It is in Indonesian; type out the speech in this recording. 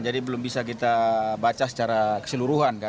jadi belum bisa kita baca secara keseluruhan